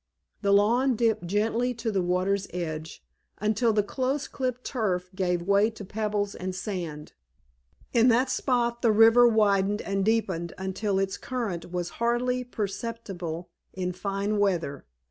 The lawn dipped gently to the water's edge, until the close clipped turf gave way to pebbles and sand. In that spot the river widened and deepened until its current was hardly perceptible in fine weather.